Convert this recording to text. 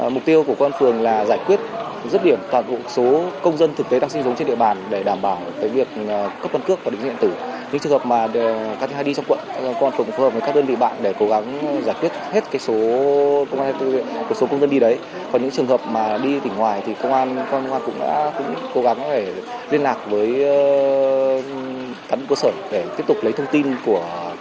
mục tiêu của công an phường là giải quyết rứt điểm toàn bộ số công dân thực tế đang sinh dống trên địa bàn để đảm bảo việc cấp căn cước và định diện tử